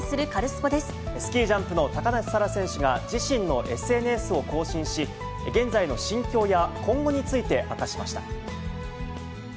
スキージャンプの高梨沙羅選手が自身のＳＮＳを更新し、現在の心境や、今後について明かしました。